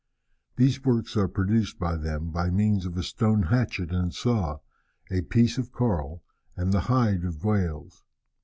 These works are produced by them by means of a stone hatchet and saw, a piece of coral, and the hide of whales.